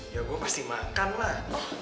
ya gue pasti makan lah